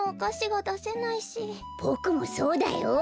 ボクもそうだよ。